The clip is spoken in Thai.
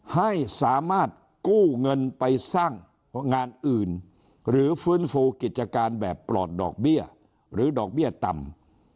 ให้สามารถกู้เงินไปสร้างงานอื่นหรือฟื้นฟูกิจการแบบปลอดดอกเบี้ยหรือดอกเบี้ยต่ำ